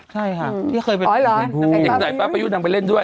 ใช่ค่ะพี่เคยเป็นเด็กสายป้าปายุนางไปเล่นด้วย